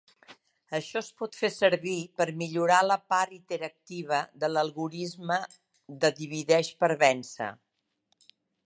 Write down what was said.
Això es pot fer servir per millorar la part iterativa de l'algorisme de divideix per vèncer.